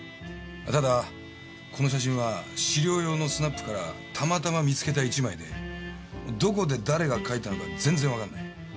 ただこの写真は資料用のスナップからたまたま見つけた１枚でどこで誰が描いたのか全然わからない。